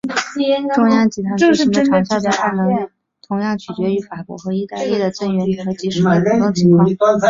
中央集团军群的长效作战能力同样取决于法国和意大利的增援的及时和主动情况。